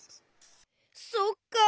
そっか。